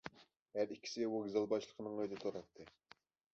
ھەر ئىككىسى ۋوگزال باشلىقىنىڭ ئۆيىدە تۇراتتى.